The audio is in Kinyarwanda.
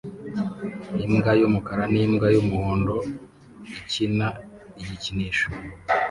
Imbwa y'umukara n'imbwa y'umuhondo ikina igikinisho